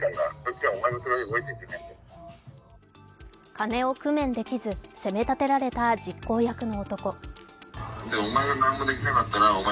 金を工面できず、攻め立てられた実行役の男。